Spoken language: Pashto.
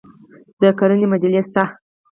د کرنې مجلې شته؟